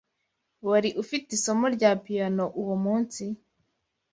Wari ufite isomo rya piyano uwo munsi?